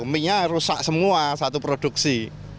mie nya rusak semua satu produksi